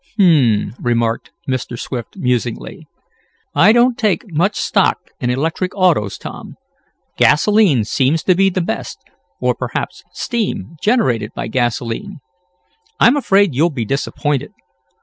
"Hum," remarked Mr. Swift musingly. "I don't take much stock in electric autos, Tom. Gasolene seems to be the best, or perhaps steam, generated by gasolene. I'm afraid you'll be disappointed.